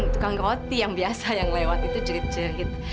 tukang roti yang biasa yang lewat itu jerit jerit